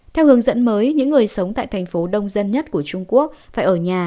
theo hướng dẫn mới những người sống tại thành phố đông dân nhất của trung quốc phải ở nhà